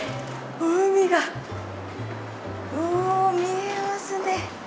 海がうわ見えますね。